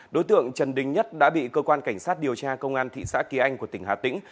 đối tượng trần đình nhất đã bị cơ quan cảnh sát điều tra công an thị xã kỳ anh của tỉnh hà tĩnh